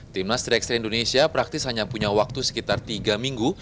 timnas tiga x tiga indonesia praktis hanya punya waktu sekitar tiga minggu